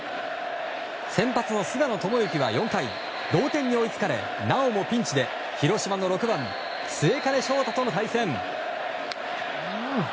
先発の菅野智之は４回同点に追いつかれなおもピンチで広島の６番、末包昇大との対戦。